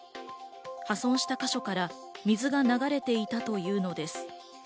破損した箇所から水が流れていたというのです。